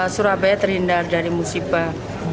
surabaya terhindar dari musibah